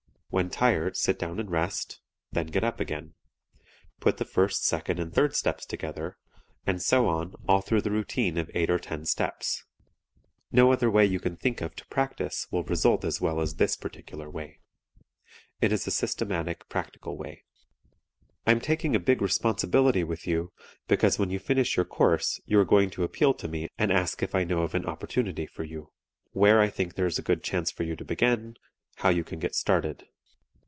When tired sit down and rest then get up again. Put the first, second and third steps together, and so on all through the routine of eight or ten steps. No other way you can think of to practice will result as well as this particular way. It is a systematic, practical way. I am taking a big responsibility with you, because when you finish your course you are going to appeal to me and ask if I know of an opportunity for you; where I think there is a good chance for you to begin; how you can get started.